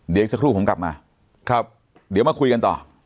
เดี๋ยวอีกสักครู่ผมกลับมาครับเดี๋ยวมาคุยกันต่อ